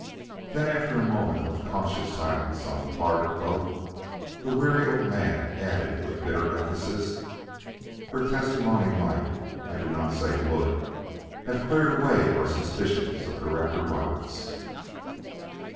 Then after a moment of conscious silence on the part of both, the weary old man added with bitter emphasis, "Her testimony might I do not say would have cleared away our suspicions of Director Roberts."